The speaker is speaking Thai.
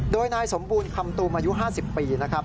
โดยนายสมบูรณ์คำตูมอายุ๕๐ปีนะครับ